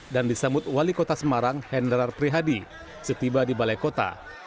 dan disambut wali kota semarang hendrar prihadi setiba di balai kota